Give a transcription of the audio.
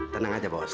tenang aja bos